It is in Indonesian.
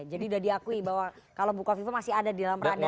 jadi udah diakui bahwa kalau bukoviva masih ada di dalam radarnya